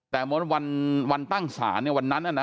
แต่วันตั้งศาลเนี่ยวันนั้นนะนะ